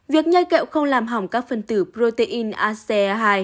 việc nhai kẹo không làm hỏng các phần tử protein ace hai